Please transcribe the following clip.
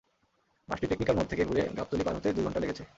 বাসটি টেকনিক্যাল মোড় থেকে ঘুরে গাবতলী পার হতেই দুই ঘণ্টা লেগেছে।